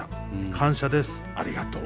感謝ですありがとう」。